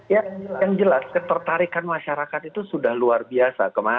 ya yang jelas ketertarikan masyarakat itu sudah luar biasa